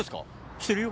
してるよ。